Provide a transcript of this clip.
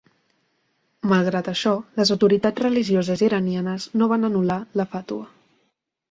Malgrat això, les autoritats religioses iranianes no van anul·lar la fàtua.